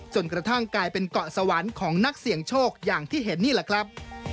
จนกระทั่งกลายเป็นเกาะสวรรค์ของนักเสี่ยงโชคอย่างที่เห็นนี่แหละครับ